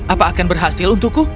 apa akan berhasil untukku